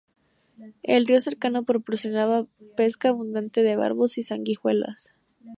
El río cercano proporcionaba pesca abundante de barbos y sanguijuelas.